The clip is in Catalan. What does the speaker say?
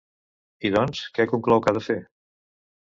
I doncs, què conclou que ha de fer?